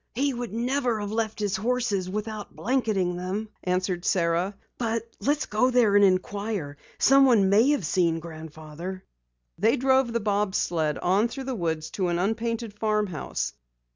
"He never would have left his horses without blanketing them," answered Sara. "But let's go there and inquire. Someone may have seen Grandfather." They drove the bob sled on through the woods to an unpainted farm house.